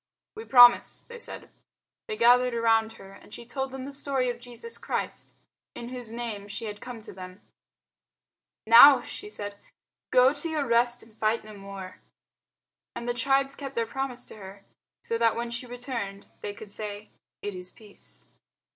"We promise," they said. They gathered around her and she told them the story of Jesus Christ in whose name she had come to them. "Now," she said, "go to your rest and fight no more." And the tribes kept their promise to her, so that when she returned they could say, "It is peace."